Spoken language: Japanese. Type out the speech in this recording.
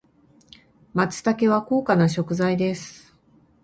松茸は高価な食材です。